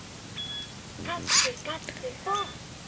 かってかってポン！